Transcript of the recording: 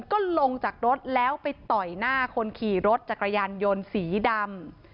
ก็ลงจากรถแล้วไปต่อยหน้าคนขี่รถจักรยานยนต์สีดำ